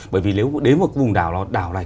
bởi vì nếu đến một vùng đảo đảo này